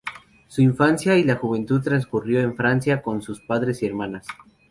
Su infancia y la juventud transcurrió en Francia con sus padres y hermanas.